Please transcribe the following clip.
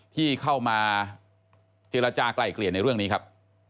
ที่เข้ามาเจรจากลายเกลี่ยในเรื่องนี้ครับ